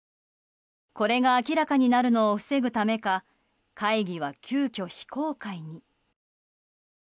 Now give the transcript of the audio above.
これが明らかになるのを防ぐためか会議は急きょ非公開に。